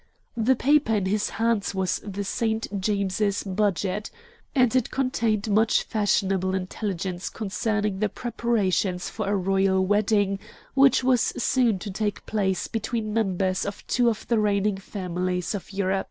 The paper in his hands was the St. James Budget, and it contained much fashionable intelligence concerning the preparations for a royal wedding which was soon to take place between members of two of the reigning families of Europe.